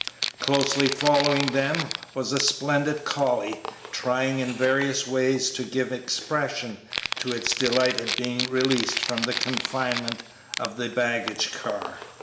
Closely following them was a splendid collie, trying in various ways to give expression to his delight at being released from the confinement of the baggage car.